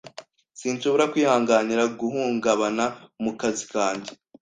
Sinshobora kwihanganira guhungabana mu kazi kanjye.